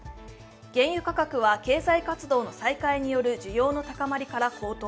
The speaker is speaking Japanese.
原油価格は経済活動の再開による需要の高まりから高騰。